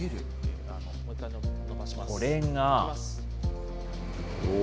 これが。